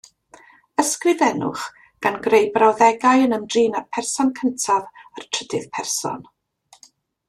Ysgrifennwch gan greu brawddegau yn ymdrin â'r person cyntaf a'r trydydd person.